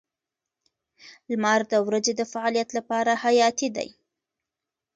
• لمر د ورځې د فعالیت لپاره حیاتي دی.